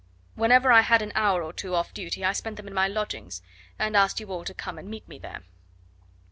Whenever I had an hour or two off duty I spent them in my lodgings, and asked you all to come and meet me there."